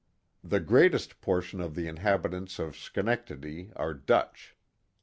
The greatest portion of the inhabitants of Chenectedi are Dutch.